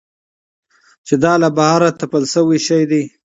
چې دا له بهره تپل شوى څيز دى.